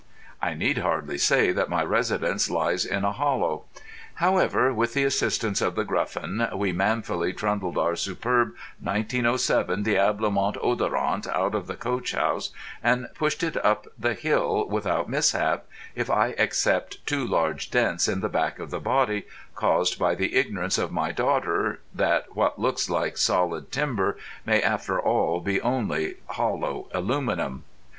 I need hardly say that my residence lies in a hollow. However, with the assistance of The Gruffin, we manfully trundled our superb 1907 Diablement Odorant out of the coach house, and pushed it up the hill without mishap, if I except two large dents in the back of the body, caused by the ignorance of my daughter that what looks like solid timber may after all be only hollow aluminium.